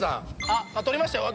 取りましたよ。